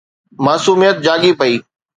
معصوميت جاڳي پئي